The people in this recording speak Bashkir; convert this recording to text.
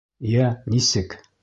Йә, нисек?